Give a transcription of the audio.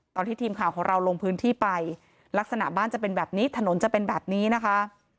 ตอนที่ทีมข่าวของเราลงพื้นที่ไปลักษณะบ้านจะเป็นแบบนี้ถนนจะเป็นแบบนี้นะคะ